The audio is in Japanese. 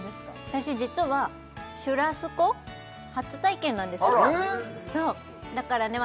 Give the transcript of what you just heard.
私実はシュラスコ初体験なんですそうだからね